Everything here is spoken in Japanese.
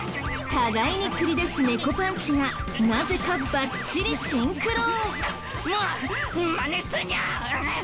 互いに繰り出す猫パンチがなぜかバッチリシンクロ！